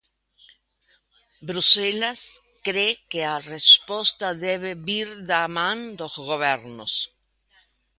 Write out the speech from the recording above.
Bruxelas cre que a resposta debe vir da man dos gobernos.